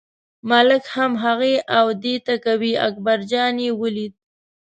ملک هم هغې او دې ته کوي، اکبرجان یې ولیده.